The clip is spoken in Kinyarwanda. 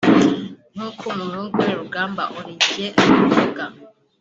nk’uko umuhungu we Rugamba Olivier abivuga